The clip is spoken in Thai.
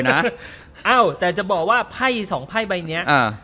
เอ้าแต่จะบอกว่าไพ่สองไพ่ใบเนี้ยอ่า